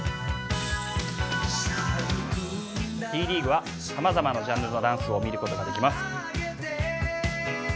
Ｄ．ＬＥＡＧＵＥはさまざまなジャンルのダンスを見ることができます。